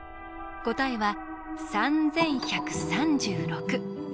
答えは３１３６。